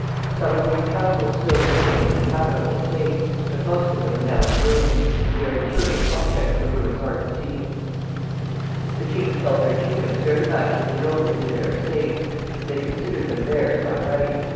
Some of these castles still remain in a habitable state, but most of them are now in ruins and very curious objects the ruins are to see. [Illustration: RUINS OF AN ANCIENT CASTLE.] The kings held their kingdoms very much as the nobles did their estates they considered them theirs by right.